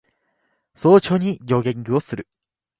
早朝にジョギングする